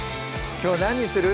きょう何にする？